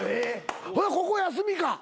ほなここ休みか？